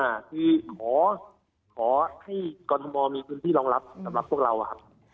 อ่าคือขอขอให้กฎธมอร์มีที่รองรับสำหรับพวกเราครับ